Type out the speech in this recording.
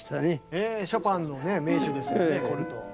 ショパンの名手ですよねコルトー。